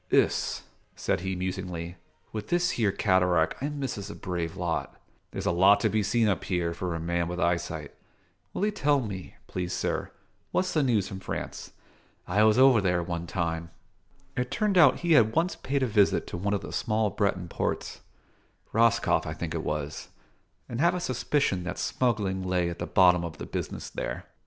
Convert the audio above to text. "Iss," said he musingly, "with this here cataract I misses a brave lot. There's a lot to be seen up here, for a man with eyesight. Will 'ee tell me, please sir, what's the news from France? I was over there, one time." It turned out he had once paid a visit to one of the small Breton ports: Roscoff I think it was, and have a suspicion that smuggling lay at the bottom of the business there.